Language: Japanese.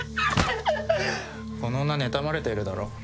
この女ねたまれてるだろ。